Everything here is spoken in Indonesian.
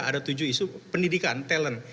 ada tujuh isu pendidikan talent